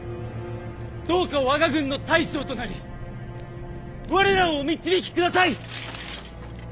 どうか我が軍の大将となり我らをお導きください。